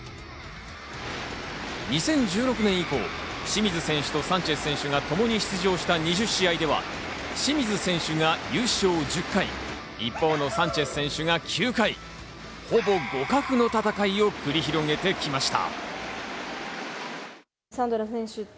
２０１６年以降、清水選手とサンチェス選手がともに出場した２０試合では、清水選手が優勝１０回、一方のサンチェス選手が９回、ほぼ互角の戦いを繰り広げてきました。